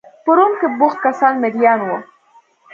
په روم کې بوخت کسان مریان وو.